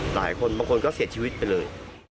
หลายคนบางคนก็เสียชีวิตไปเลย